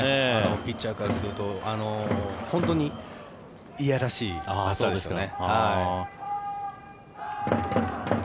ピッチャーからすると本当にいやらしいですね。